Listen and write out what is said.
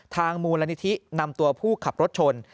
มูลนิธินำตัวผู้ขับรถชน